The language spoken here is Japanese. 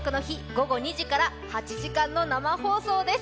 午後２時から８時間の生放送です